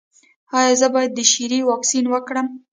ایا زه باید د شري واکسین وکړم؟